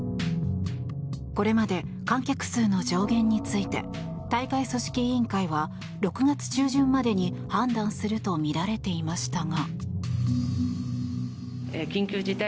これまで観客数の上限について大会組織委員会は６月中旬までに判断するとみられていましたが。